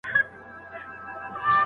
آیا ګل تر پاڼي ښکلي دی؟